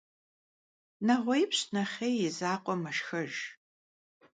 Neğuêipş nexhêy, yi zakhue meşşxejj.